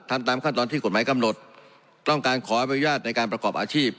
ตามขั้นตอนที่กฎหมายกำหนดต้องการขออนุญาตในการประกอบอาชีพ